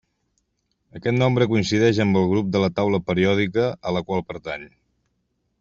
Aquest nombre coincideix amb el grup de la Taula Periòdica a la qual pertany.